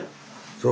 そう。